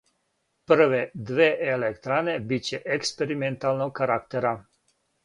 Прве две електране биће експерименталног карактера.